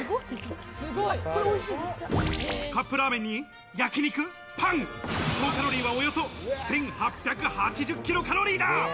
カップラーメンに焼肉、パン、総カロリーはおよそ１８８０キロカロリーだ。